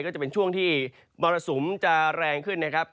ก็จะเป็นช่วงที่มรสุมจะแรงขึ้นนะครับ